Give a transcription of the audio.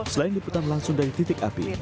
selain diputar langsung dari titik api